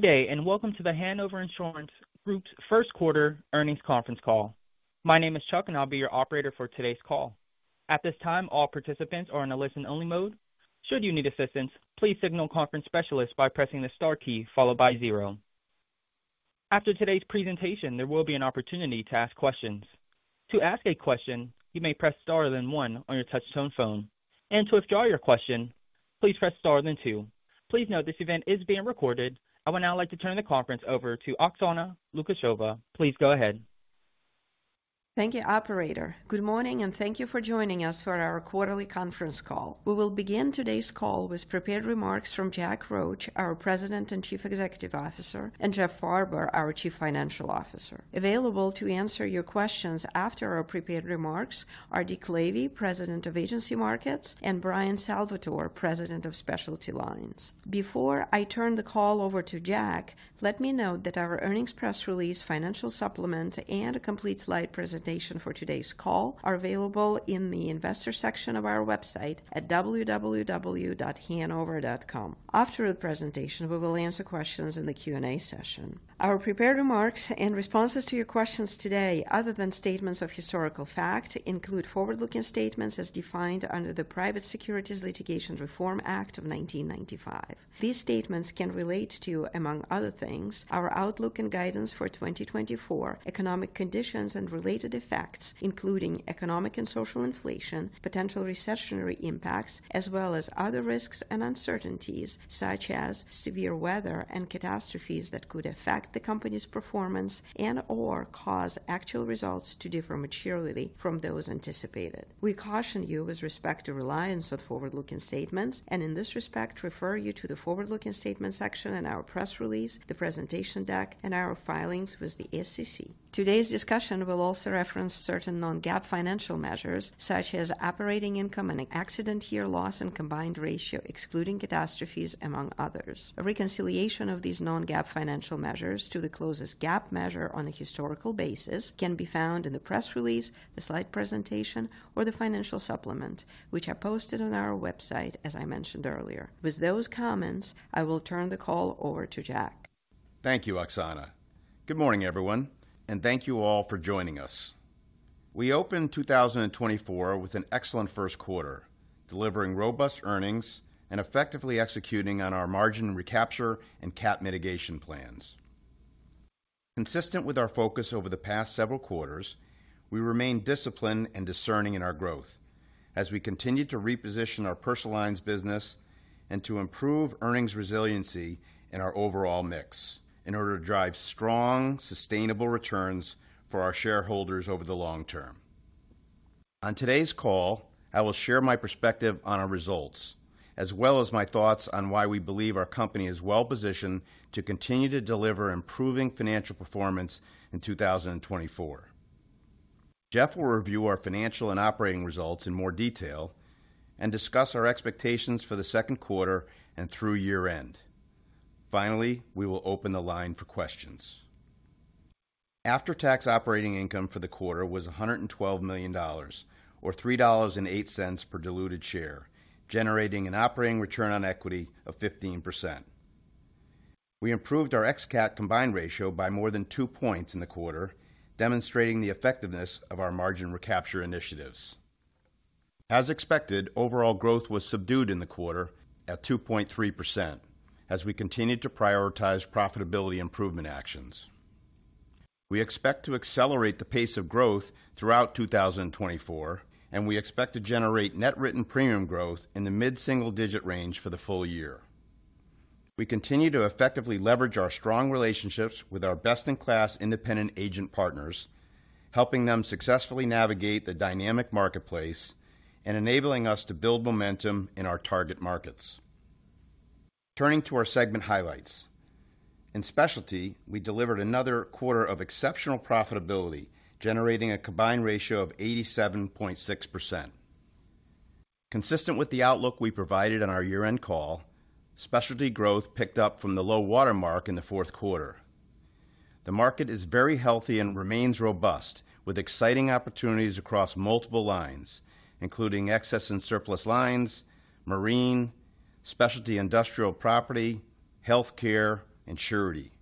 Good day and welcome to The Hanover Insurance Group's 1st Quarter Earnings Conference Call. My name is Chuck and I'll be your operator for today's call. At this time, all participants are in a listen-only mode. Should you need assistance, please signal a conference specialist by pressing the star key followed by zero. After today's presentation, there will be an opportunity to ask questions. To ask a question, you may press star then one on your touch-tone phone, and to withdraw your question, please press star then two. Please note this event is being recorded. I would now like to turn the conference over to Oksana Lukasheva. Please go ahead. Thank you, operator. Good morning and thank you for joining us for our quarterly conference call. We will begin today's call with prepared remarks from Jack Roche, our President and Chief Executive Officer, and Jeff Farber, our Chief Financial Officer. Available to answer your questions after our prepared remarks are Dick Lavey, President of Agency Markets, and Bryan Salvatore, President of Specialty Lines. Before I turn the call over to Jack, let me note that our earnings press release, financial supplement, and a complete slide presentation for today's call are available in the investor section of our website at www.hanover.com. After the presentation, we will answer questions in the Q&A session. Our prepared remarks and responses to your questions today, other than statements of historical fact, include forward-looking statements as defined under the Private Securities Litigation Reform Act of 1995. These statements can relate to, among other things, our outlook and guidance for 2024, economic conditions and related effects including economic and social inflation, potential recessionary impacts, as well as other risks and uncertainties such as severe weather and catastrophes that could affect the company's performance and/or cause actual results to differ materially from those anticipated. We caution you with respect to reliance on forward-looking statements and in this respect refer you to the forward-looking statements section in our press release, the presentation deck, and our filings with the SEC. Today's discussion will also reference certain Non-GAAP financial measures such as operating income and accident year loss and combined ratio excluding catastrophes, among others. A reconciliation of these non-GAAP financial measures to the closest GAAP measure on a historical basis can be found in the press release, the slide presentation, or the financial supplement, which are posted on our website as I mentioned earlier. With those comments, I will turn the call over to Jack. Thank you, Oksana. Good morning, everyone, and thank you all for joining us. We opened 2024 with an excellent 1st quarter, delivering robust earnings and effectively executing on our margin recapture and cat mitigation plans. Consistent with our focus over the past several quarters, we remain disciplined and discerning in our growth, as we continue to reposition our personal lines business and to improve earnings resiliency in our overall mix in order to drive strong, sustainable returns for our shareholders over the long term. On today's call, I will share my perspective on our results as well as my thoughts on why we believe our company is well positioned to continue to deliver improving financial performance in 2024. Jeff will review our financial and operating results in more detail and discuss our expectations for the 2nd quarter and through year-end. Finally, we will open the line for questions. After-tax operating income for the quarter was $112 million or $3.08 per diluted share, generating an operating return on equity of 15%. We improved our ex-cat combined ratio by more than 2 points in the quarter, demonstrating the effectiveness of our margin recapture initiatives. As expected, overall growth was subdued in the quarter at 2.3% as we continue to prioritize profitability improvement actions. We expect to accelerate the pace of growth throughout 2024, and we expect to generate net written premium growth in the mid-single digit range for the full year. We continue to effectively leverage our strong relationships with our best-in-class independent agent partners, helping them successfully navigate the dynamic marketplace and enabling us to build momentum in our target markets. Turning to our segment highlights. In specialty, we delivered another quarter of exceptional profitability, generating a combined ratio of 87.6%. Consistent with the outlook we provided on our year-end call, specialty growth picked up from the low watermark in the 4th quarter. The market is very healthy and remains robust with exciting opportunities across multiple lines including excess and surplus lines, marine, specialty industrial property, healthcare, and surety.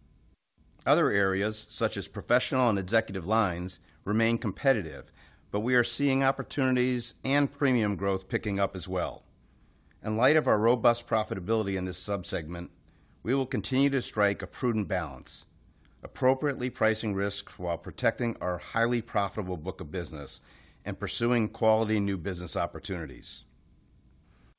Other areas such as professional and executive lines remain competitive, but we are seeing opportunities and premium growth picking up as well. In light of our robust profitability in this subsegment, we will continue to strike a prudent balance, appropriately pricing risks while protecting our highly profitable book of business and pursuing quality new business opportunities.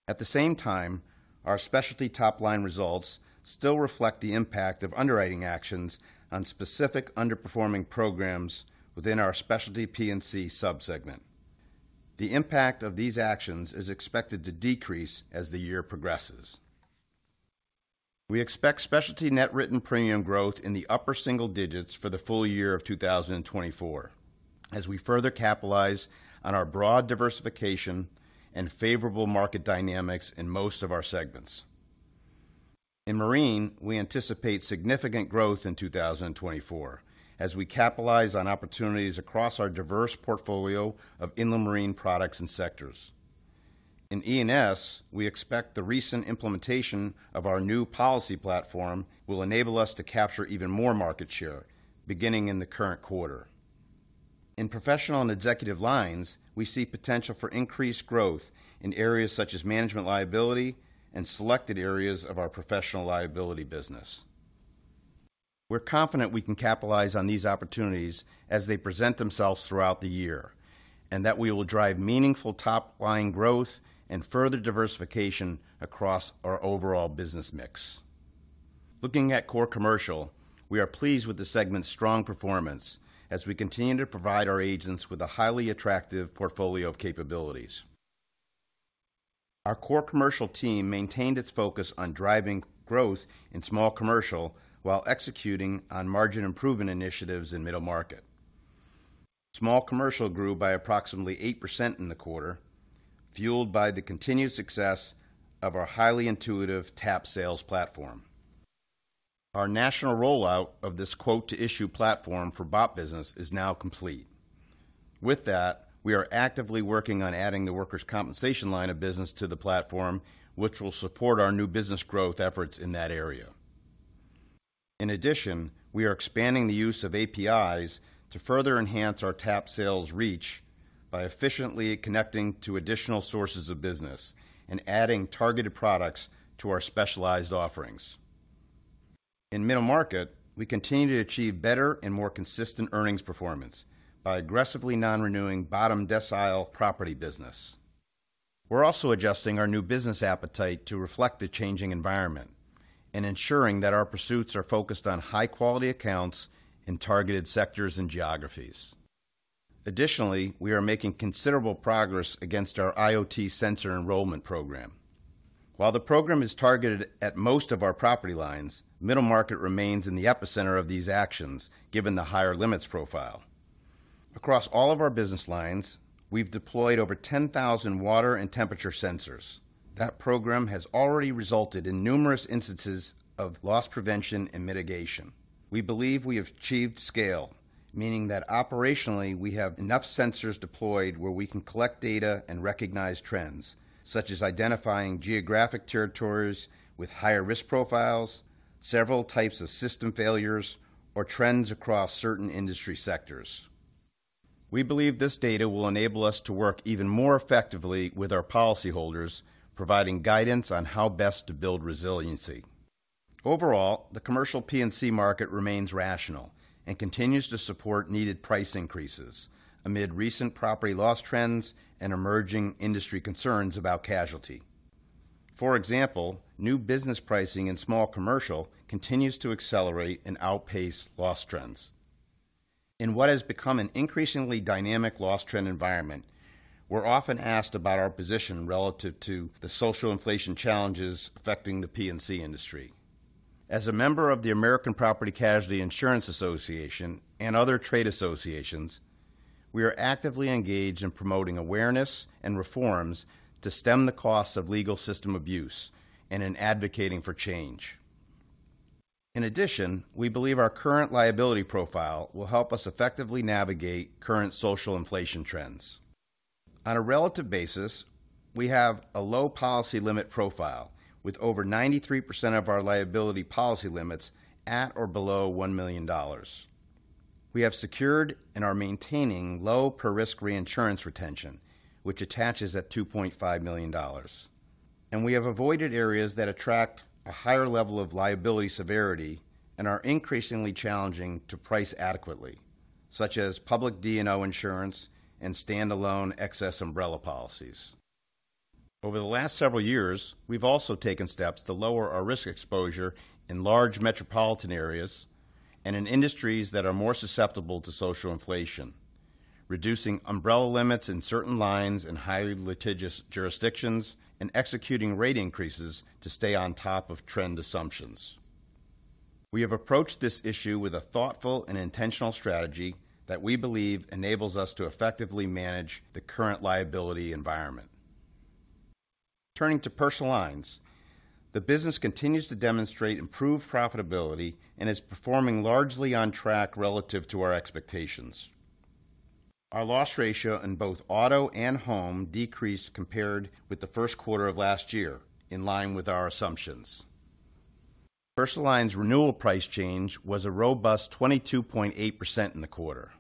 At the same time, our specialty top-line results still reflect the impact of underwriting actions on specific underperforming programs within our specialty P&C subsegment. The impact of these actions is expected to decrease as the year progresses. We expect specialty net written premium growth in the upper single digits for the full year of 2024 as we further capitalize on our broad diversification and favorable market dynamics in most of our segments. In marine, we anticipate significant growth in 2024 as we capitalize on opportunities across our diverse portfolio of inland marine products and sectors. In E&S, we expect the recent implementation of our new policy platform will enable us to capture even more market share beginning in the current quarter. In professional and executive lines, we see potential for increased growth in areas such as management liability and selected areas of our professional liability business. We're confident we can capitalize on these opportunities as they present themselves throughout the year and that we will drive meaningful top-line growth and further diversification across our overall business mix. Looking at core commercial, we are pleased with the segment's strong performance as we continue to provide our agents with a highly attractive portfolio of capabilities. Our core commercial team maintained its focus on driving growth in small commercial while executing on margin improvement initiatives in middle market. Small commercial grew by approximately 8% in the quarter, fueled by the continued success of our highly intuitive TAP Sales platform. Our national rollout of this quote-to-issue platform for BOP business is now complete. With that, we are actively working on adding the workers' compensation line of business to the platform, which will support our new business growth efforts in that area. In addition, we are expanding the use of APIs to further enhance our TAP Sales reach by efficiently connecting to additional sources of business and adding targeted products to our specialized offerings. In middle market, we continue to achieve better and more consistent earnings performance by aggressively non-renewing bottom decile property business. We're also adjusting our new business appetite to reflect the changing environment and ensuring that our pursuits are focused on high-quality accounts in targeted sectors and geographies. Additionally, we are making considerable progress against our IoT sensor enrollment program. While the program is targeted at most of our property lines, middle market remains in the epicenter of these actions given the higher limits profile. Across all of our business lines, we've deployed over 10,000 water and temperature sensors. That program has already resulted in numerous instances of loss prevention and mitigation. We believe we have achieved scale, meaning that operationally we have enough sensors deployed where we can collect data and recognize trends such as identifying geographic territories with higher risk profiles, several types of system failures, or trends across certain industry sectors. We believe this data will enable us to work even more effectively with our policyholders, providing guidance on how best to build resiliency. Overall, the commercial P&C market remains rational and continues to support needed price increases amid recent property loss trends and emerging industry concerns about casualty. For example, new business pricing in small commercial continues to accelerate and outpace loss trends. In what has become an increasingly dynamic loss trend environment, we're often asked about our position relative to the social inflation challenges affecting the P&C industry. As a member of the American Property Casualty Insurance Association and other trade associations, we are actively engaged in promoting awareness and reforms to stem the costs of legal system abuse and in advocating for change. In addition, we believe our current liability profile will help us effectively navigate current social inflation trends. On a relative basis, we have a low policy limit profile with over 93% of our liability policy limits at or below $1 million. We have secured and are maintaining low per-risk reinsurance retention, which attaches at $2.5 million. And we have avoided areas that attract a higher level of liability severity and are increasingly challenging to price adequately, such as public D&O insurance and standalone excess umbrella policies. Over the last several years, we've also taken steps to lower our risk exposure in large metropolitan areas and in industries that are more susceptible to social inflation, reducing umbrella limits in certain lines in highly litigious jurisdictions and executing rate increases to stay on top of trend assumptions. We have approached this issue with a thoughtful and intentional strategy that we believe enables us to effectively manage the current liability environment. Turning to Personal Lines, the business continues to demonstrate improved profitability and is performing largely on track relative to our expectations. Our loss ratio in both auto and home decreased compared with the 1st quarter of last year in line with our assumptions. Personal Lines renewal price change was a robust 22.8% in the quarter.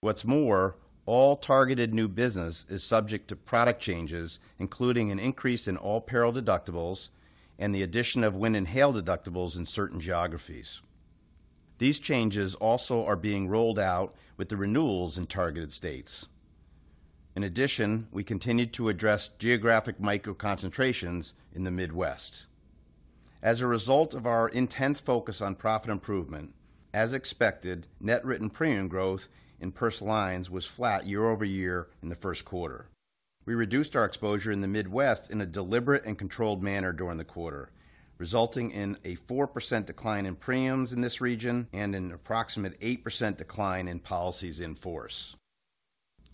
What's more, all targeted new business is subject to product changes including an increase in all-peril deductibles and the addition of wind and hail deductibles in certain geographies. These changes also are being rolled out with the renewals in targeted states. In addition, we continue to address geographic micro-concentrations in the Midwest. As a result of our intense focus on profit improvement, as expected, net written premium growth in personal lines was flat year-over-year in the 1st quarter. We reduced our exposure in the Midwest in a deliberate and controlled manner during the quarter, resulting in a 4% decline in premiums in this region and an approximate 8% decline in policies in force.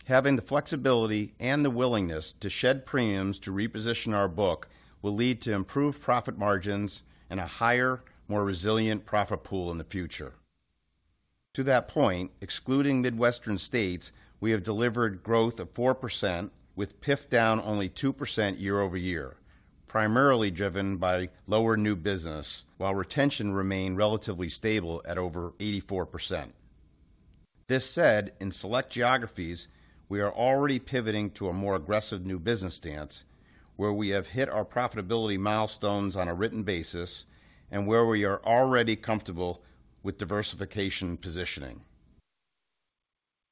Having the flexibility and the willingness to shed premiums to reposition our book will lead to improved profit margins and a higher, more resilient profit pool in the future. To that point, excluding Midwestern states, we have delivered growth of 4% with PIF down only 2% year-over-year, primarily driven by lower new business while retention remained relatively stable at over 84%. That said, in select geographies, we are already pivoting to a more aggressive new business stance where we have hit our profitability milestones on a written basis and where we are already comfortable with diversification positioning.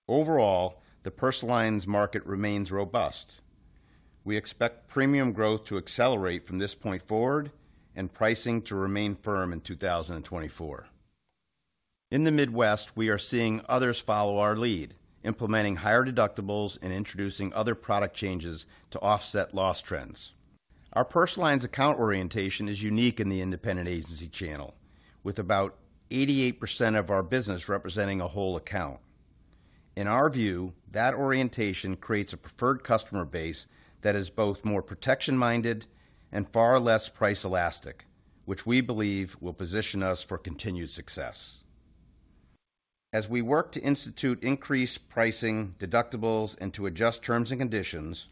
Overall, the personal lines market remains robust. We expect premium growth to accelerate from this point forward and pricing to remain firm in 2024. In the Midwest, we are seeing others follow our lead, implementing higher deductibles and introducing other product changes to offset loss trends. Our personal lines account orientation is unique in the independent agency channel, with about 88% of our business representing a whole account. In our view, that orientation creates a preferred customer base that is both more protection-minded and far less price elastic, which we believe will position us for continued success. As we work to institute increased pricing deductibles and to adjust terms and conditions,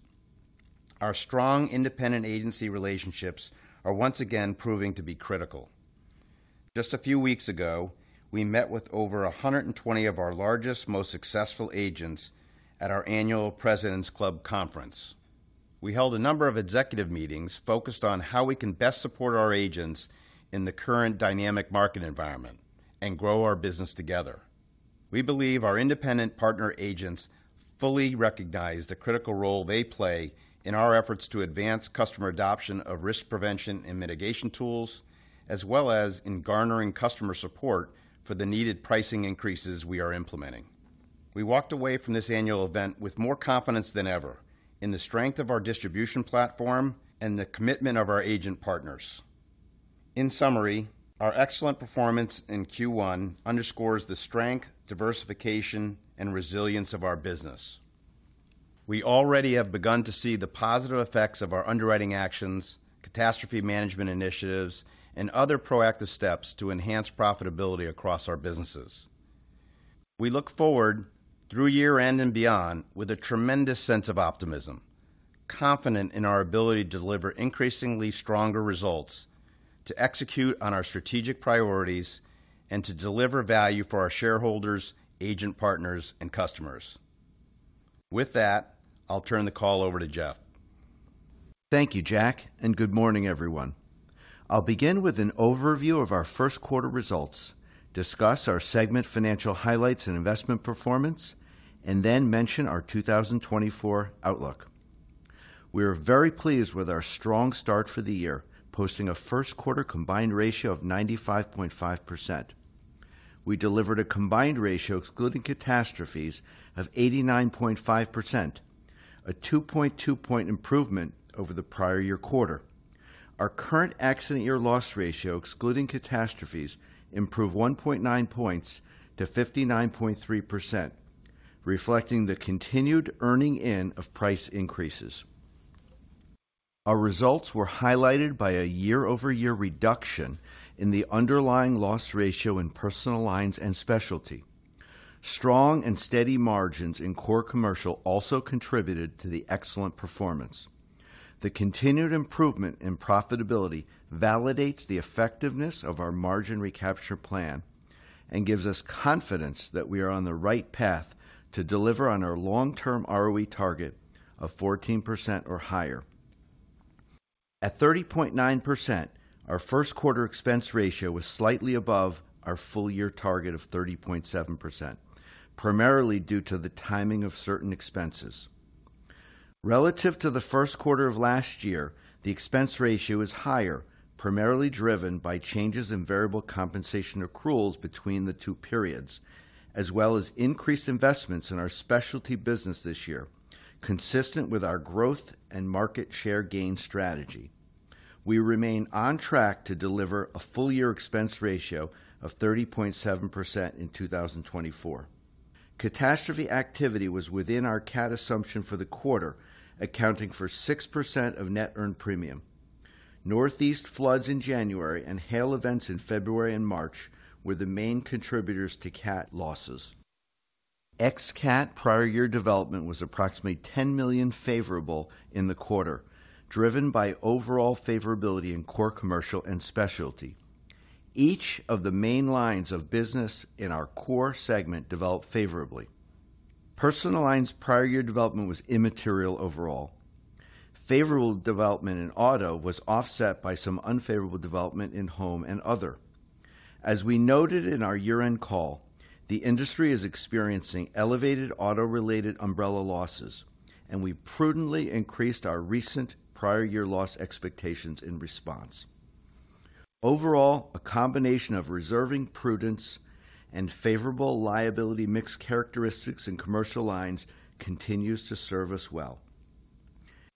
our strong independent agency relationships are once again proving to be critical. Just a few weeks ago, we met with over 120 of our largest, most successful agents at our annual President's Club conference. We held a number of executive meetings focused on how we can best support our agents in the current dynamic market environment and grow our business together. We believe our independent partner agents fully recognize the critical role they play in our efforts to advance customer adoption of risk prevention and mitigation tools, as well as in garnering customer support for the needed pricing increases we are implementing. We walked away from this annual event with more confidence than ever in the strength of our distribution platform and the commitment of our agent partners. In summary, our excellent performance in Q1 underscores the strength, diversification, and resilience of our business. We already have begun to see the positive effects of our underwriting actions, catastrophe management initiatives, and other proactive steps to enhance profitability across our businesses. We look forward through year-end and beyond with a tremendous sense of optimism, confident in our ability to deliver increasingly stronger results, to execute on our strategic priorities, and to deliver value for our shareholders, agent partners, and customers. With that, I'll turn the call over to Jeff. Thank you, Jack, and good morning, everyone. I'll begin with an overview of our 1st quarter results, discuss our segment financial highlights and investment performance, and then mention our 2024 outlook. We are very pleased with our strong start for the year, posting a 1st quarter combined ratio of 95.5%. We delivered a combined ratio excluding catastrophes of 89.5%, a 2.2-point improvement over the prior year quarter. Our current accident year loss ratio excluding catastrophes improved 1.9 points to 59.3%, reflecting the continued earning in of price increases. Our results were highlighted by a year-over-year reduction in the underlying loss ratio in personal lines and specialty. Strong and steady margins in core commercial also contributed to the excellent performance. The continued improvement in profitability validates the effectiveness of our margin recapture plan and gives us confidence that we are on the right path to deliver on our long-term ROE target of 14% or higher. At 30.9%, our 1st quarter expense ratio was slightly above our full-year target of 30.7%, primarily due to the timing of certain expenses. Relative to the 1st quarter of last year, the expense ratio is higher, primarily driven by changes in variable compensation accruals between the two periods, as well as increased investments in our specialty business this year, consistent with our growth and market share gain strategy. We remain on track to deliver a full-year expense ratio of 30.7% in 2024. Catastrophe activity was within our cat assumption for the quarter, accounting for 6% of net earned premium. Northeast floods in January and hail events in February and March were the main contributors to cat losses. Ex-cat prior year development was approximately $10 million favorable in the quarter, driven by overall favorability in core commercial and specialty. Each of the main lines of business in our core segment developed favorably. Personal lines prior year development was immaterial overall. Favorable development in auto was offset by some unfavorable development in home and other. As we noted in our year-end call, the industry is experiencing elevated auto-related umbrella losses, and we prudently increased our recent prior year loss expectations in response. Overall, a combination of reserving prudence and favorable liability mix characteristics in commercial lines continues to serve us well.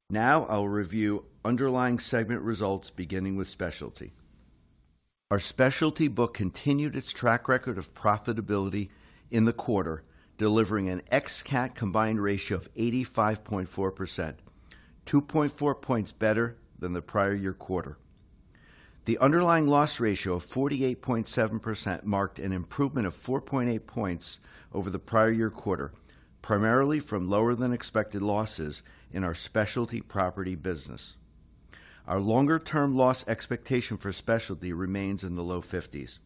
Now I'll review underlying segment results beginning with specialty. Our specialty book continued its track record of profitability in the quarter, delivering an ex-cat combined ratio of 85.4%, 2.4 points better than the prior year quarter. The underlying loss ratio of 48.7% marked an improvement of 4.8 points over the prior year quarter, primarily from lower-than-expected losses in our specialty property business. Our longer-term loss expectation for specialty remains in the low 50s.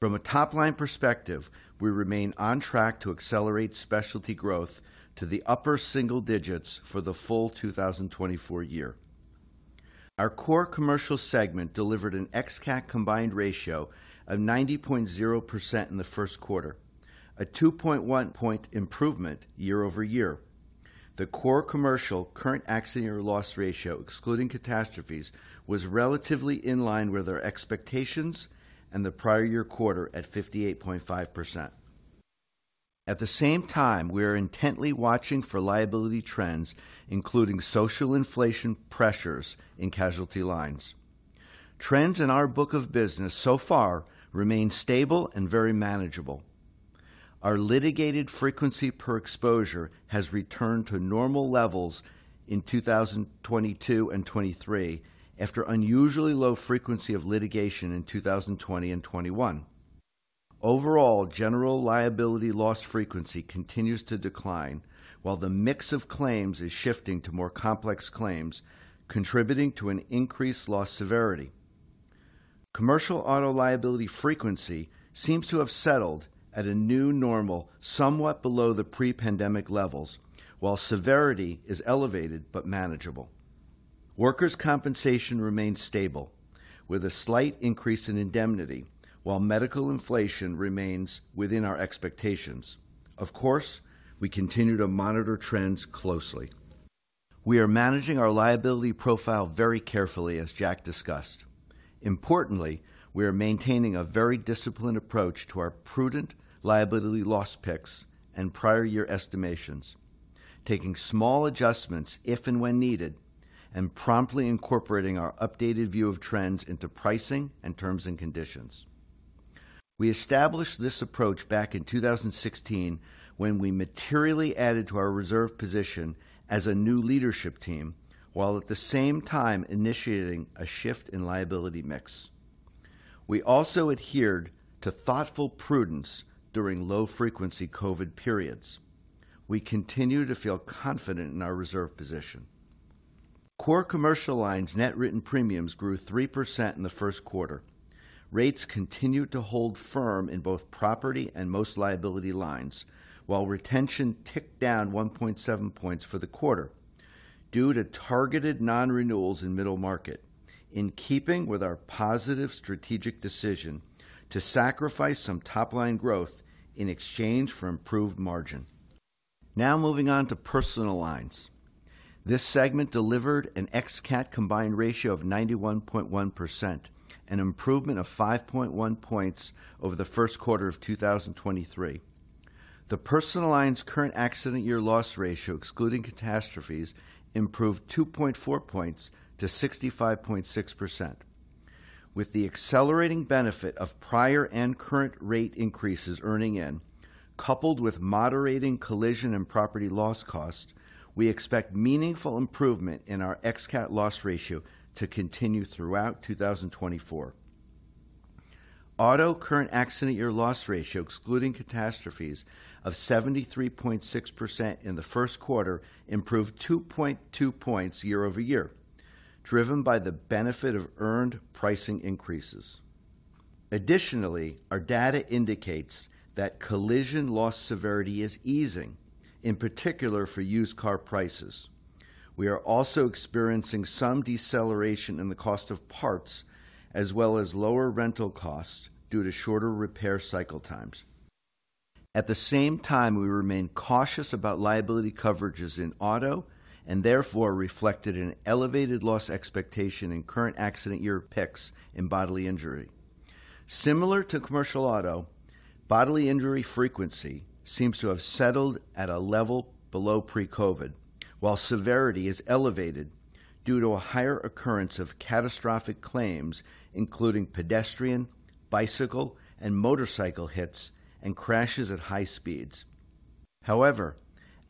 From a top-line perspective, we remain on track to accelerate specialty growth to the upper single digits for the full 2024 year. Our core commercial segment delivered an ex-cat combined ratio of 90.0% in the 1st quarter, a 2.1-point improvement year-over-year. The core commercial current accident year loss ratio excluding catastrophes was relatively in line with our expectations and the prior year quarter at 58.5%. At the same time, we are intently watching for liability trends, including social inflation pressures in casualty lines. Trends in our book of business so far remain stable and very manageable. Our litigated frequency per exposure has returned to normal levels in 2022 and 2023 after unusually low frequency of litigation in 2020 and 2021. Overall, general liability loss frequency continues to decline while the mix of claims is shifting to more complex claims, contributing to an increased loss severity. Commercial auto liability frequency seems to have settled at a new normal somewhat below the pre-pandemic levels, while severity is elevated but manageable. Workers' compensation remains stable, with a slight increase in indemnity while medical inflation remains within our expectations. Of course, we continue to monitor trends closely. We are managing our liability profile very carefully, as Jack discussed. Importantly, we are maintaining a very disciplined approach to our prudent liability loss picks and prior year estimations, taking small adjustments if and when needed, and promptly incorporating our updated view of trends into pricing and terms and conditions. We established this approach back in 2016 when we materially added to our reserve position as a new leadership team while at the same time initiating a shift in liability mix. We also adhered to thoughtful prudence during low-frequency COVID periods. We continue to feel confident in our reserve position. Core commercial lines net written premiums grew 3% in the 1st quarter. Rates continued to hold firm in both property and most liability lines, while retention ticked down 1.7 points for the quarter due to targeted non-renewals in middle market, in keeping with our positive strategic decision to sacrifice some top-line growth in exchange for improved margin. Now moving on to personal lines. This segment delivered an ex-cat combined ratio of 91.1%, an improvement of 5.1 points over the 1st quarter of 2023. The personal lines current accident year loss ratio excluding catastrophes improved 2.4 points to 65.6%. With the accelerating benefit of prior and current rate increases earning in, coupled with moderating collision and property loss costs, we expect meaningful improvement in our ex-cat loss ratio to continue throughout 2024. Auto current accident year loss ratio excluding catastrophes of 73.6% in the 1st quarter improved 2.2 points year-over-year, driven by the benefit of earned pricing increases. Additionally, our data indicates that collision loss severity is easing, in particular for used car prices. We are also experiencing some deceleration in the cost of parts, as well as lower rental costs due to shorter repair cycle times. At the same time, we remain cautious about liability coverages in auto and therefore reflected in elevated loss expectation in current accident year picks in bodily injury. Similar to commercial auto, bodily injury frequency seems to have settled at a level below pre-COVID, while severity is elevated due to a higher occurrence of catastrophic claims, including pedestrian, bicycle, and motorcycle hits and crashes at high speeds. However,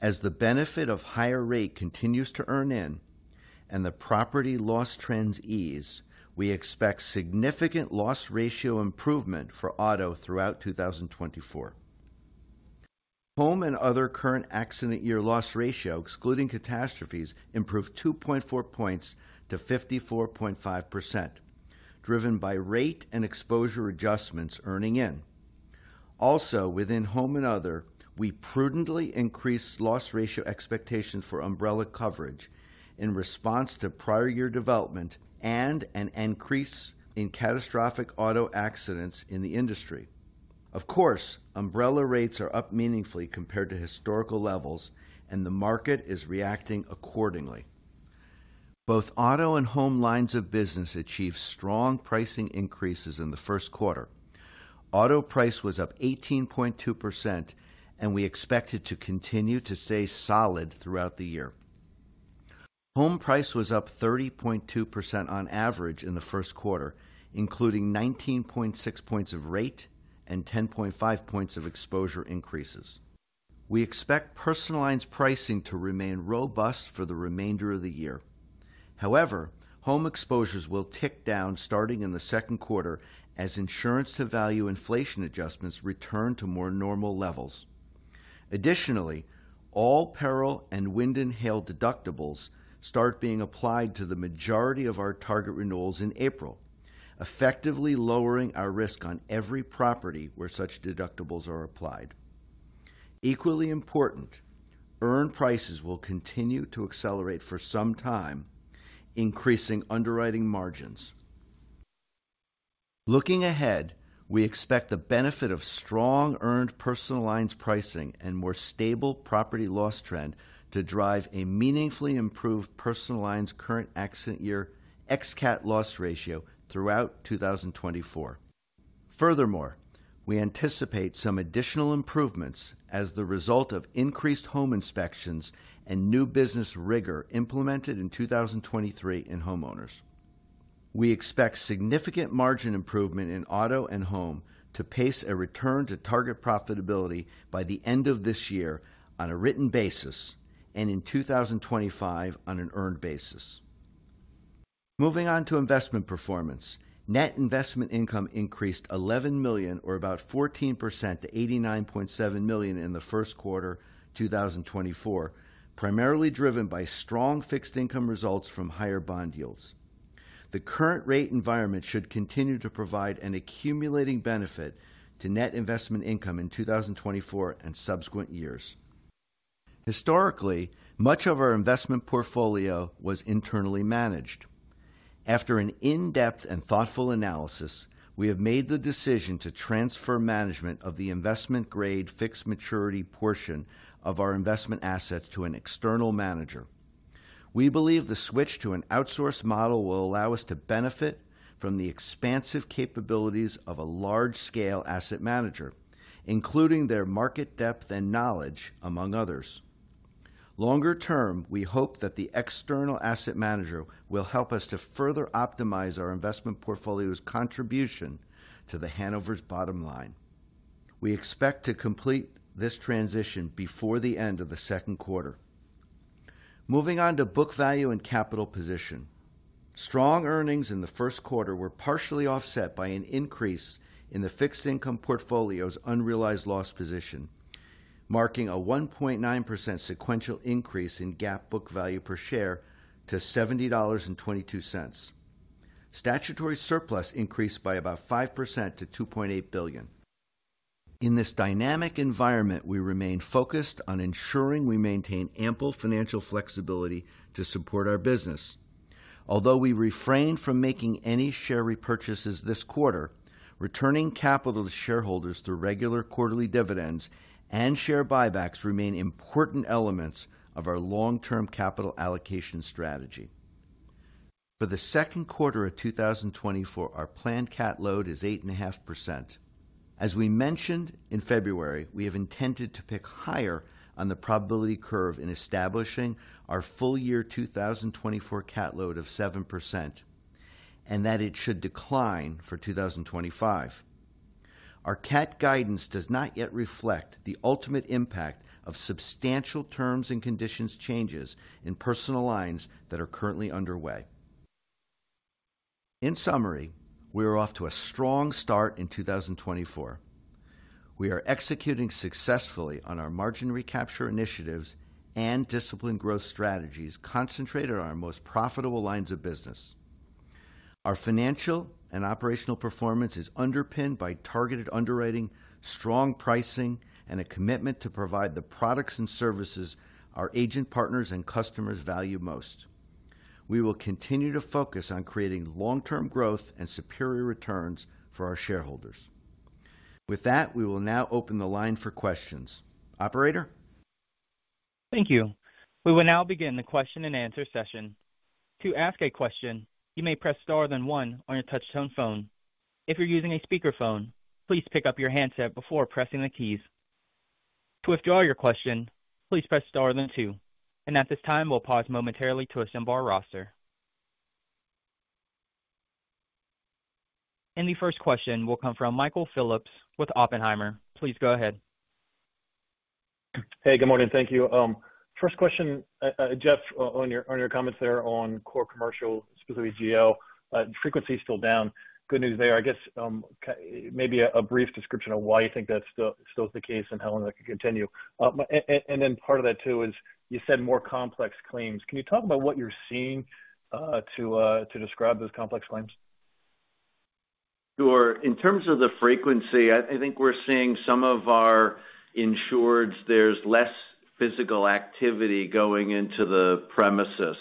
as the benefit of higher rate continues to earn in and the property loss trends ease, we expect significant loss ratio improvement for auto throughout 2024. Home and other current accident year loss ratio excluding catastrophes improved 2.4 points to 54.5%, driven by rate and exposure adjustments earning in. Also, within home and other, we prudently increased loss ratio expectations for umbrella coverage in response to prior year development and an increase in catastrophic auto accidents in the industry. Of course, umbrella rates are up meaningfully compared to historical levels, and the market is reacting accordingly. Both auto and home lines of business achieved strong pricing increases in the 1st quarter. Auto price was up 18.2%, and we expect it to continue to stay solid throughout the year. Home price was up 30.2% on average in the 1st quarter, including 19.6 points of rate and 10.5 points of exposure increases. We expect personal lines pricing to remain robust for the remainder of the year. However, home exposures will tick down starting in the 2nd quarter as insurance-to-value inflation adjustments return to more normal levels. Additionally, all-peril and wind and hail deductibles start being applied to the majority of our target renewals in April, effectively lowering our risk on every property where such deductibles are applied. Equally important, earned prices will continue to accelerate for some time, increasing underwriting margins. Looking ahead, we expect the benefit of strong earned personal lines pricing and more stable property loss trend to drive a meaningfully improved personal lines current accident year ex-cat loss ratio throughout 2024. Furthermore, we anticipate some additional improvements as the result of increased home inspections and new business rigor implemented in 2023 in homeowners. We expect significant margin improvement in auto and home to pace a return to target profitability by the end of this year on a written basis and in 2025 on an earned basis. Moving on to investment performance, net investment income increased $11 million or about 14% to $89.7 million in the 1st quarter 2024, primarily driven by strong fixed income results from higher bond yields. The current rate environment should continue to provide an accumulating benefit to net investment income in 2024 and subsequent years. Historically, much of our investment portfolio was internally managed. After an in-depth and thoughtful analysis, we have made the decision to transfer management of the investment-grade fixed maturity portion of our investment assets to an external manager. We believe the switch to an outsourced model will allow us to benefit from the expansive capabilities of a large-scale asset manager, including their market depth and knowledge, among others. Longer term, we hope that the external asset manager will help us to further optimize our investment portfolio's contribution to the Hanover's bottom line. We expect to complete this transition before the end of the 2nd quarter. Moving on to book value and capital position. Strong earnings in the 1st quarter were partially offset by an increase in the fixed income portfolio's unrealized loss position, marking a 1.9% sequential increase in GAAP book value per share to $70.22. Statutory surplus increased by about 5% to $2.8 billion. In this dynamic environment, we remain focused on ensuring we maintain ample financial flexibility to support our business. Although we refrain from making any share repurchases this quarter, returning capital to shareholders through regular quarterly dividends and share buybacks remain important elements of our long-term capital allocation strategy. For the 2nd quarter of 2024, our planned cat load is 8.5%. As we mentioned in February, we have intended to pick higher on the probability curve in establishing our full-year 2024 cat load of 7% and that it should decline for 2025. Our cat guidance does not yet reflect the ultimate impact of substantial terms and conditions changes in personal lines that are currently underway. In summary, we are off to a strong start in 2024. We are executing successfully on our margin recapture initiatives and disciplined growth strategies concentrated on our most profitable lines of business. Our financial and operational performance is underpinned by targeted underwriting, strong pricing, and a commitment to provide the products and services our agent partners and customers value most. We will continue to focus on creating long-term growth and superior returns for our shareholders. With that, we will now open the line for questions. Operator? Thank you. We will now begin the question-and-answer session. To ask a question, you may press star, then one on your touch-tone phone. If you're using a speakerphone, please pick up your handset before pressing the keys. To withdraw your question, please press star, then two. At this time, we'll pause momentarily to assemble our roster. The first question will come from Michael Phillips with Oppenheimer. Please go ahead. Hey, good morning. Thank you. First question, Jeff, on your comments there on core commercial, specifically GL, frequency is still down. Good news there. I guess maybe a brief description of why you think that still is the case and how long that can continue. And then part of that, too, is you said more complex claims. Can you talk about what you're seeing to describe those complex claims? Sure. In terms of the frequency, I think we're seeing some of our insureds, there's less physical activity going into the premises.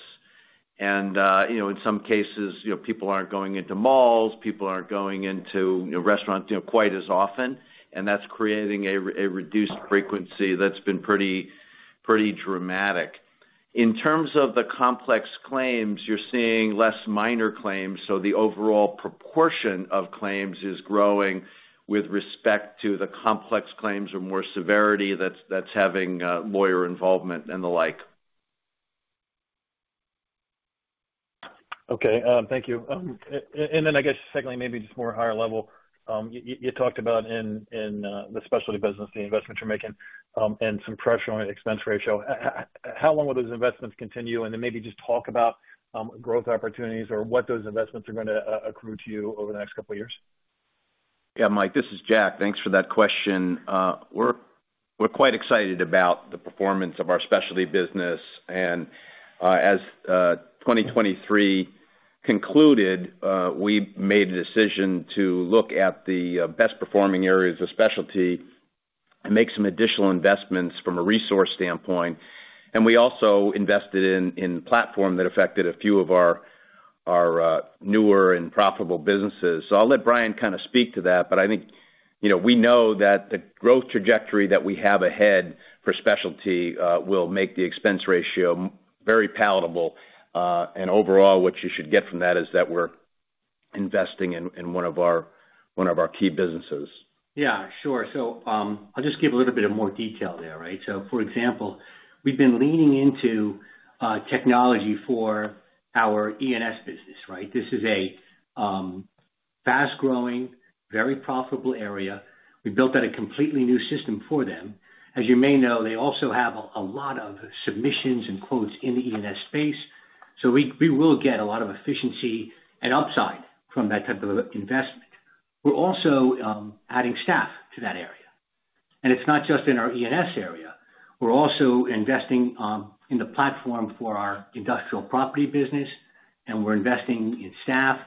And in some cases, people aren't going into malls. People aren't going into restaurants quite as often. And that's creating a reduced frequency that's been pretty dramatic. In terms of the complex claims, you're seeing less minor claims. So the overall proportion of claims is growing with respect to the complex claims or more severity that's having lawyer involvement and the like. Okay. Thank you. Then I guess secondly, maybe just more higher level, you talked about in the specialty business, the investments you're making, and some pressure on expense ratio. How long will those investments continue? Then maybe just talk about growth opportunities or what those investments are going to accrue to you over the next couple of years? Yeah, Mike, this is Jack. Thanks for that question. We're quite excited about the performance of our specialty business. As 2023 concluded, we made a decision to look at the best-performing areas of specialty and make some additional investments from a resource standpoint. We also invested in platform that affected a few of our newer and profitable businesses. So I'll let Bryan kind of speak to that. But I think we know that the growth trajectory that we have ahead for specialty will make the expense ratio very palatable. And overall, what you should get from that is that we're investing in one of our key businesses. Yeah, sure. So I'll just give a little bit of more detail there, right? So for example, we've been leaning into technology for our E&S business, right? This is a fast-growing, very profitable area. We built out a completely new system for them. As you may know, they also have a lot of submissions and quotes in the E&S space. So we will get a lot of efficiency and upside from that type of investment. We're also adding staff to that area. And it's not just in our E&S area. We're also investing in the platform for our industrial property business. And we're investing in staff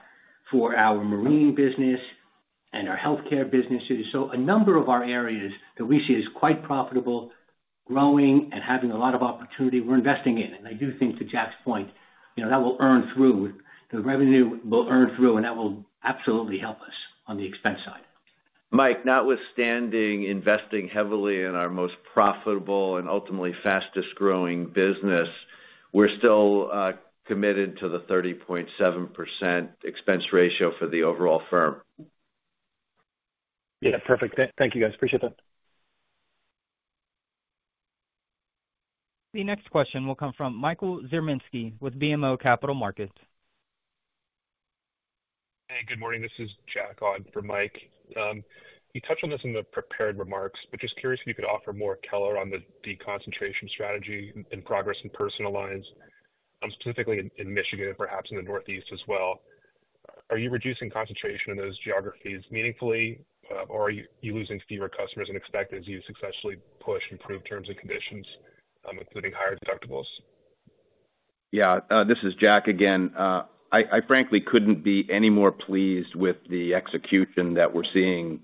for our marine business and our healthcare business. So a number of our areas that we see as quite profitable, growing, and having a lot of opportunity, we're investing in. And I do think, to Jack's point, that will earn through. The revenue will earn through. And that will absolutely help us on the expense side. Mike, notwithstanding investing heavily in our most profitable and ultimately fastest-growing business, we're still committed to the 30.7% expense ratio for the overall firm. Yeah, perfect. Thank you, guys. Appreciate that. The next question will come from Michael Zaremski with BMO Capital Markets. Hey, good morning. This is Jack on for Mike. You touched on this in the prepared remarks, but just curious if you could offer more color on the deconcentration strategy and progress in personal lines, specifically in Michigan and perhaps in the Northeast as well. Are you reducing concentration in those geographies meaningfully, or are you losing fewer customers than expected as you successfully push improved terms and conditions, including higher deductibles? Yeah, this is Jack again. I frankly couldn't be any more pleased with the execution that we're seeing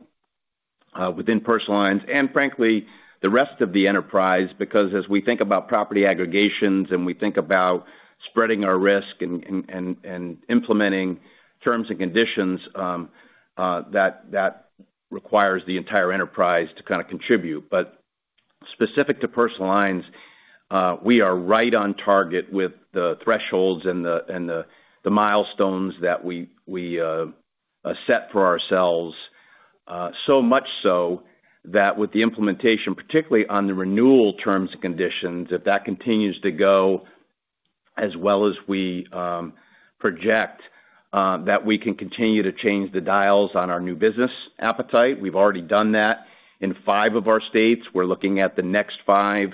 within personal lines and, frankly, the rest of the enterprise because as we think about property aggregations and we think about spreading our risk and implementing terms and conditions, that requires the entire enterprise to kind of contribute. But specific to personal lines, we are right on target with the thresholds and the milestones that we set for ourselves, so much so that with the implementation, particularly on the renewal terms and conditions, if that continues to go as well as we project, that we can continue to change the dials on our new business appetite. We've already done that in five of our states. We're looking at the next five.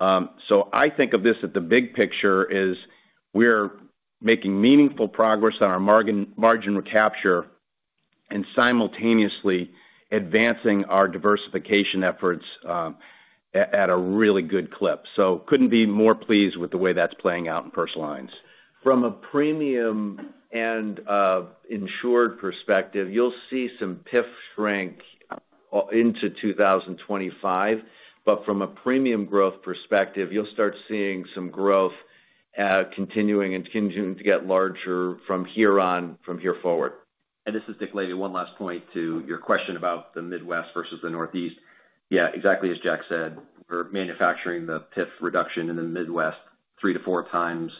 So I think of this as the big picture is we're making meaningful progress on our margin recapture and simultaneously advancing our diversification efforts at a really good clip. So couldn't be more pleased with the way that's playing out in personal lines. From a premium and insured perspective, you'll see some PIF shrink into 2025. But from a premium growth perspective, you'll start seeing some growth continuing and continuing to get larger from here on, from here forward. And this is dictated. One last point to your question about the Midwest versus the Northeast. Yeah, exactly as Jack said, we're manufacturing the PIF reduction in the Midwest three to four times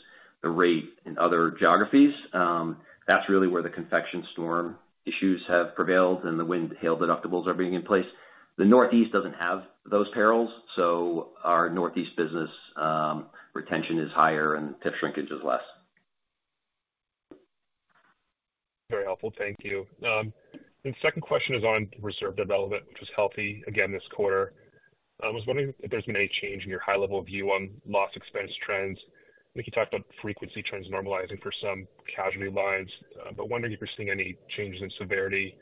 the rate in other geographies. That's really where the convective storm issues have prevailed and the wind hail deductibles are being in place. The Northeast doesn't have those perils. So our Northeast business retention is higher and PIF shrinkage is less. Very helpful. Thank you. And the second question is on reserve development, which was healthy, again, this quarter. I was wondering if there's been any change in your high-level view on loss expense trends. I think you talked about frequency trends normalizing for some casualty lines, but wondering if you're seeing any changes in severity.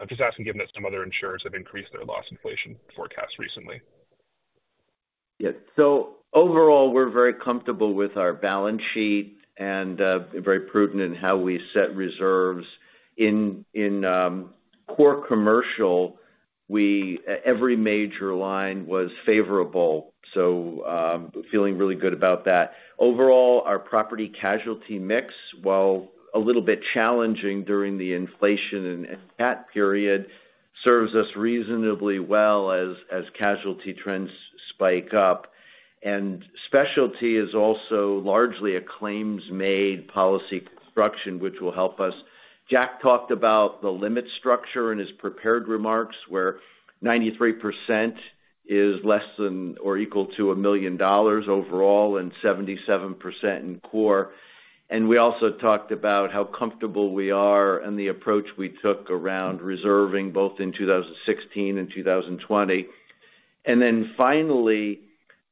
I'm just asking, given that some other insurers have increased their loss inflation forecast recently. Yes. So overall, we're very comfortable with our balance sheet and very prudent in how we set reserves. In core commercial, every major line was favorable, so feeling really good about that. Overall, our property casualty mix, while a little bit challenging during the inflation and cat period, serves us reasonably well as casualty trends spike up. And specialty is also largely a claims-made policy construction, which will help us. Jack talked about the limit structure in his prepared remarks where 93% is less than or equal to $1 million overall and 77% in core. And we also talked about how comfortable we are and the approach we took around reserving both in 2016 and 2020. And then finally,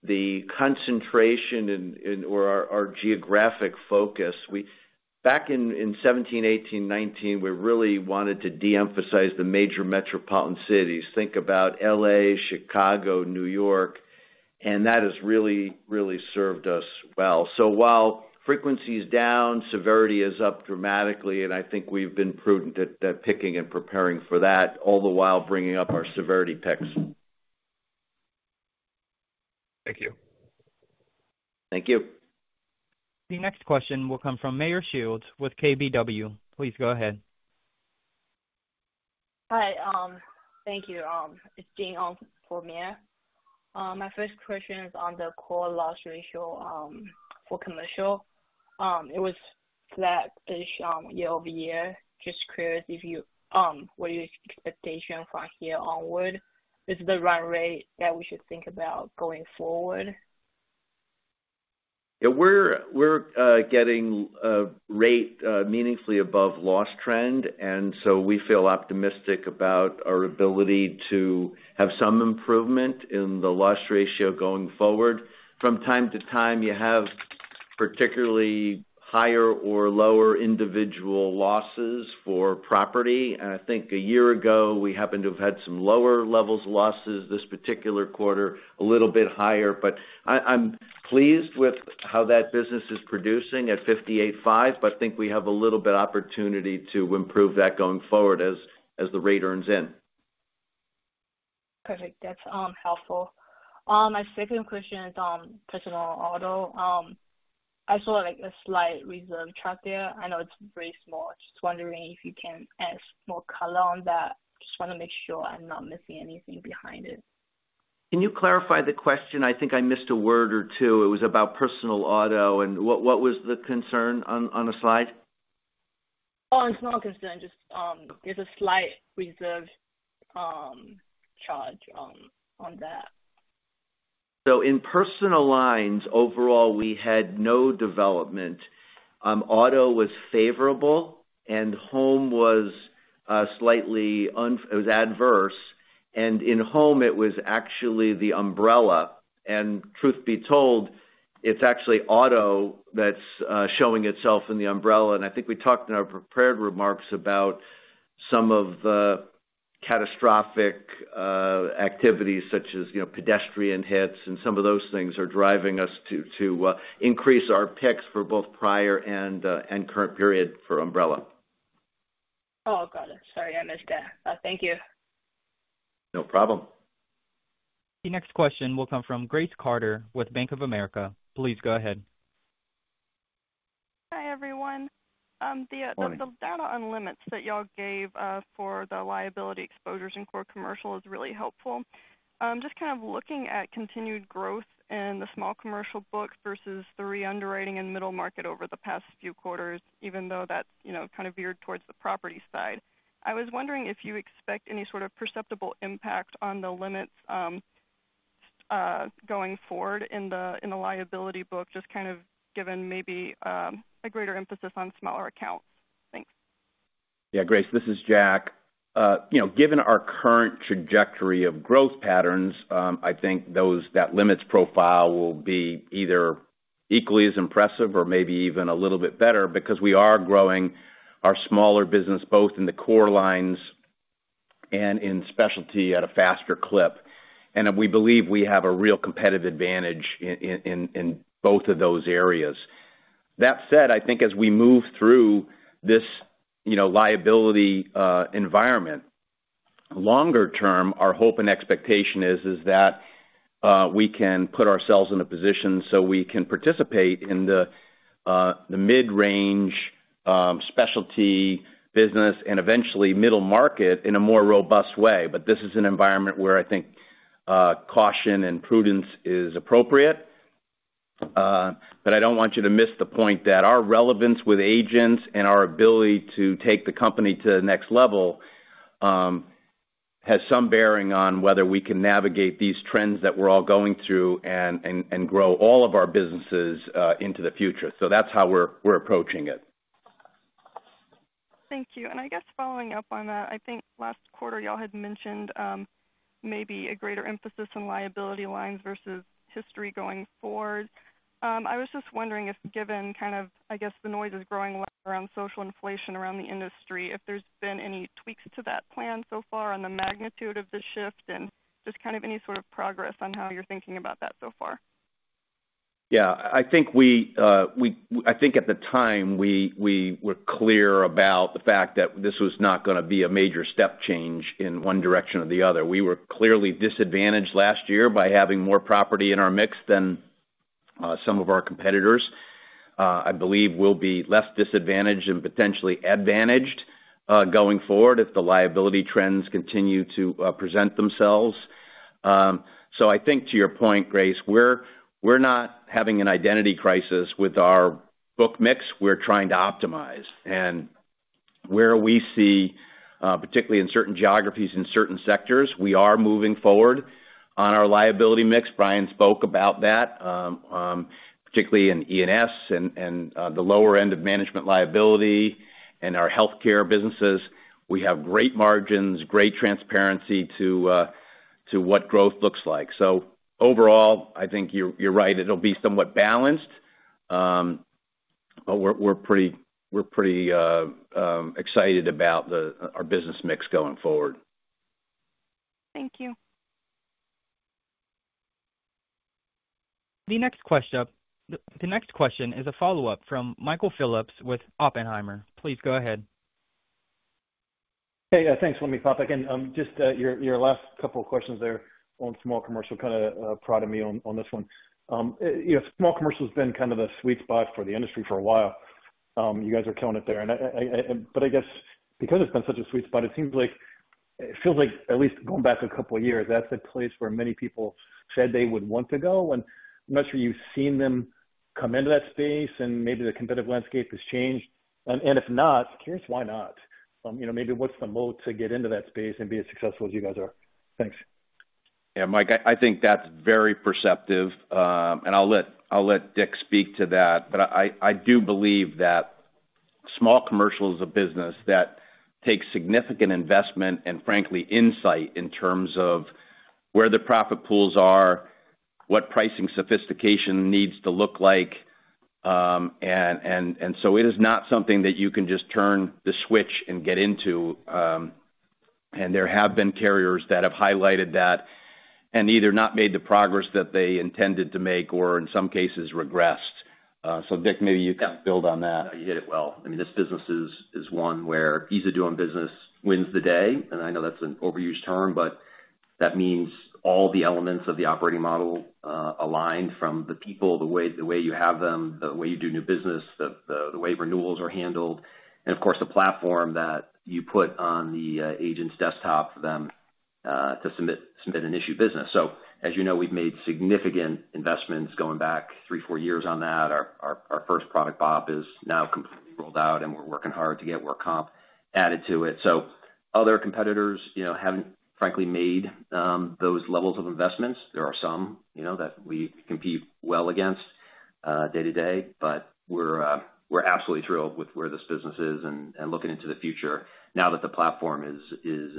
the concentration or our geographic focus. Back in 2017, 2018, 2019, we really wanted to deemphasize the major metropolitan cities. Think about LA, Chicago, New York. And that has really, really served us well. So while frequency is down, severity is up dramatically. And I think we've been prudent at picking and preparing for that, all the while bringing up our severity picks. Thank you. Thank you. The next question will come from Meyer Shields with KBW. Please go ahead. Hi. Thank you. It's Jing for Meyer. My first question is on the core loss ratio for commercial. It was flat-ish year-over-year. Just curious what your expectation from here onward. Is the run rate that we should think about going forward? Yeah, we're getting a rate meaningfully above loss trend. And so we feel optimistic about our ability to have some improvement in the loss ratio going forward. From time to time, you have particularly higher or lower individual losses for property. And I think a year ago, we happened to have had some lower levels of losses this particular quarter, a little bit higher. But I'm pleased with how that business is producing at 58.5, but think we have a little bit of opportunity to improve that going forward as the rate earns in. Perfect. That's helpful. My second question is personal auto. I saw a slight reserve track there. I know it's very small. Just wondering if you can add more color on that. Just want to make sure I'm not missing anything behind it. Can you clarify the question? I think I missed a word or two. It was about personal auto. And what was the concern on the slide? Oh, it's not a concern. Just there's a slight reserve charge on that. So in personal lines, overall, we had no development. Auto was favorable. And home was slightly it was adverse. And in home, it was actually the umbrella. And truth be told, it's actually auto that's showing itself in the umbrella. And I think we talked in our prepared remarks about some of the catastrophic activities such as pedestrian hits. And some of those things are driving us to increase our picks for both prior and current period for umbrella. Oh, got it. Sorry. I missed that. Thank you. No problem. The next question will come from Grace Carter with Bank of America. Please go ahead. Hi, everyone. The data on limits that you all gave for the liability exposures in core commercial is really helpful. Just kind of looking at continued growth in the small commercial book versus the reunderwriting and middle market over the past few quarters, even though that's kind of veered towards the property side, I was wondering if you expect any sort of perceptible impact on the limits going forward in the liability book, just kind of given maybe a greater emphasis on smaller accounts. Thanks. Yeah, Grace, this is Jack. Given our current trajectory of growth patterns, I think that limits profile will be either equally as impressive or maybe even a little bit better because we are growing our smaller business both in the core lines and in specialty at a faster clip. And we believe we have a real competitive advantage in both of those areas. That said, I think as we move through this liability environment, longer term, our hope and expectation is that we can put ourselves in a position so we can participate in the mid-range specialty business and eventually middle market in a more robust way. But this is an environment where I think caution and prudence is appropriate. But I don't want you to miss the point that our relevance with agents and our ability to take the company to the next level has some bearing on whether we can navigate these trends that we're all going through and grow all of our businesses into the future. So that's how we're approaching it. Thank you. And I guess following up on that, I think last quarter, y'all had mentioned maybe a greater emphasis on liability lines versus history going forward. I was just wondering if given kind of, I guess, the noise is growing louder on social inflation around the industry, if there's been any tweaks to that plan so far on the magnitude of the shift and just kind of any sort of progress on how you're thinking about that so far. Yeah, I think at the time, we were clear about the fact that this was not going to be a major step change in one direction or the other. We were clearly disadvantaged last year by having more property in our mix than some of our competitors. I believe we'll be less disadvantaged and potentially advantaged going forward if the liability trends continue to present themselves. So I think to your point, Grace, we're not having an identity crisis with our book mix. We're trying to optimize. And where we see, particularly in certain geographies, in certain sectors, we are moving forward on our liability mix. Bryan spoke about that, particularly in E&S and the lower end of management liability and our healthcare businesses. We have great margins, great transparency to what growth looks like. So overall, I think you're right. It'll be somewhat balanced. But we're pretty excited about our business mix going forward. Thank you. The next question is a follow-up from Michael Phillips with Oppenheimer. Please go ahead. Hey, thanks. Let me pop back in. Just your last couple of questions there on small commercial kind of prodded me on this one. Small commercial has been kind of the sweet spot for the industry for a while. You guys are killing it there. But I guess because it's been such a sweet spot, it seems like it feels like, at least going back a couple of years, that's a place where many people said they would want to go. And I'm not sure you've seen them come into that space, and maybe the competitive landscape has changed. And if not, curious why not? Maybe what's the moat to get into that space and be as successful as you guys are? Thanks. Yeah, Mike, I think that's very perceptive. And I'll let Dick speak to that. But I do believe that small commercial is a business that takes significant investment and, frankly, insight in terms of where the profit pools are, what pricing sophistication needs to look like. And so it is not something that you can just turn the switch and get into. And there have been carriers that have highlighted that and either not made the progress that they intended to make or, in some cases, regressed. So Dick, maybe you can build on that. Yeah, you hit it well. I mean, this business is one where ease of doing business wins the day. And I know that's an overused term, but that means all the elements of the operating model aligned from the people, the way you have them, the way you do new business, the way renewals are handled, and, of course, the platform that you put on the agent's desktop for them to submit and issue business. So as you know, we've made significant investments going back 3-4 years on that. Our first product BOP is now completely rolled out, and we're working hard to get work comp added to it. So other competitors haven't, frankly, made those levels of investments. There are some that we compete well against day to day. But we're absolutely thrilled with where this business is and looking into the future. Now that the platform is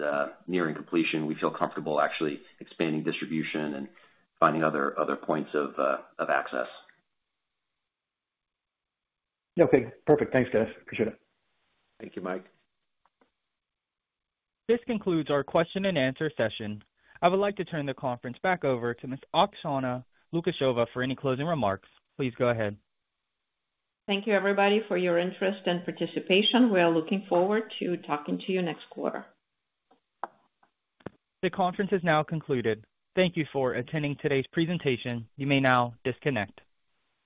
nearing completion, we feel comfortable actually expanding distribution and finding other points of access. Okay. Perfect. Thanks, guys. Appreciate it. Thank you, Mike. This concludes our question-and-answer session. I would like to turn the conference back over to Ms. Oksana Lukasheva for any closing remarks. Please go ahead. Thank you, everybody, for your interest and participation. We are looking forward to talking to you next quarter. The conference has now concluded. Thank you for attending today's presentation. You may now disconnect.